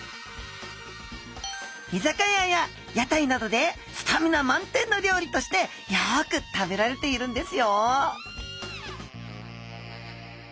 居酒屋や屋台などでスタミナ満点の料理としてよく食べられているんですよ